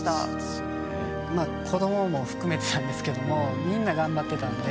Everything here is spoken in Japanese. まあ子どもも含めてなんですけどもみんな頑張ってたんで。